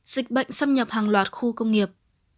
dịch bệnh xâm nhập hàng loạt khu công nghiệp